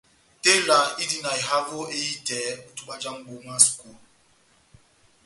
Tela indi na ehavo ehitɛ ó itubwa já mbúh mwá sukulu.